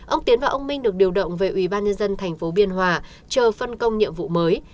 ông tiến và ông minh được điều động về ủy ban nhân dân thành phố biên hòa chờ phân công nhiệm vụ mới